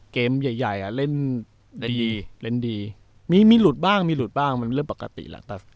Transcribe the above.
เกมใหญ่เล่นได้ดีเล่นดีมีหลุดบ้างมีหลุดบ้างมันเป็นเรื่องปกติแหละ